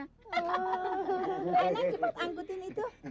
cepat angkutin itu